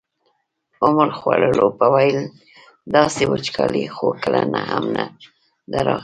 عمر خوړلو به ویل داسې وچکالي خو کله هم نه ده راغلې.